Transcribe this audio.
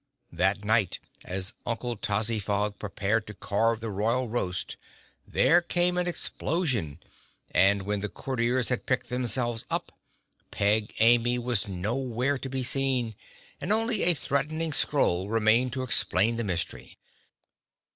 That night as Uncle Tozzyfog prepared to carve the royal roast, there came an explosion, and when the Courtiers had picked themselves up Peg Amy was nowhere to be seen, and only a threatening scroll remained to explain the mystery.